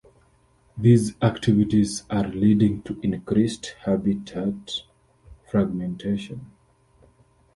These activities are leading to increased habitat fragmentation.